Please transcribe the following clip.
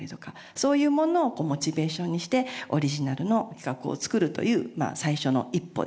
そういうものをモチベーションにしてオリジナルの企画を作るというまあ最初の一歩です。